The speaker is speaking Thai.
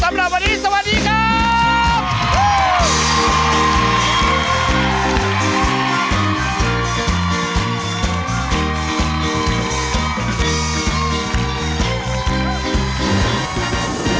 สำหรับวันนี้สวัสดีครับ